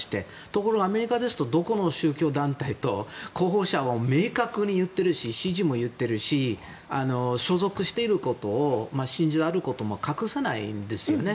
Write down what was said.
ところが、アメリカですとどこの宗教団体だと明確に言っているし支持も言っているし所属していることも信者であることを隠さないんですね。